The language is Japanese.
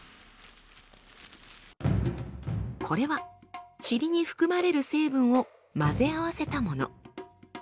これはチリに含まれる成分を混ぜ合わせたもの。